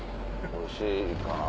おいしいんかな。